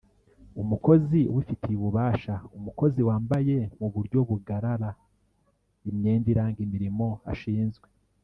Umukozi ubifitiye ububashaUmukozi wambaye mu buryo bugarara imyenda iranga imirimo ashinzwe